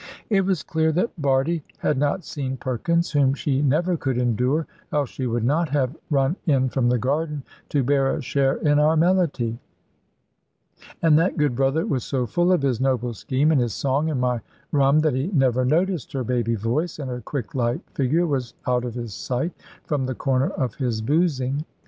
It was clear that Bardie had not seen Perkins, whom she never could endure, else would she not have run in from the garden, to bear a share in our melody; and that good brother was so full of his noble scheme, and his song, and my rum, that he never noticed her baby voice; and her quick light figure was out of his sight, from the corner of his boozing.